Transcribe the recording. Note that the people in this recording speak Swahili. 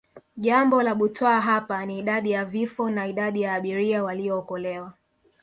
Jambo la butwaa hapa ni Idadi ya vifo na idadi ya abiria waliookolewa